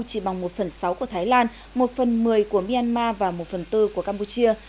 chỉ bằng một phần sáu của thái lan một phần một mươi của myanmar và một phần tư của campuchia